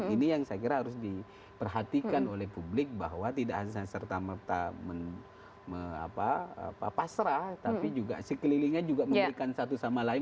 ini yang saya kira harus diperhatikan oleh publik bahwa tidak hanya serta merta pasrah tapi juga sekelilingnya juga memberikan satu sama lain